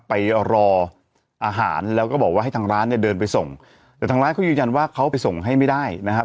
ไปรออาหารแล้วก็บอกว่าให้ทางร้านเนี่ยเดินไปส่งแต่ทางร้านเขายืนยันว่าเขาไปส่งให้ไม่ได้นะครับ